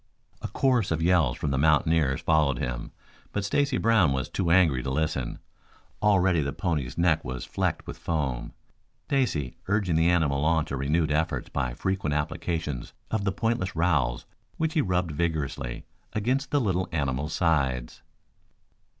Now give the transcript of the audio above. A chorus of yells from the mountaineers followed him, but Stacy Brown was too angry to listen. Already the pony's neck was flecked with foam, Stacy urging the animal on to renewed efforts by frequent applications of the pointless rowels which he rubbed vigorously against the little animal's sides.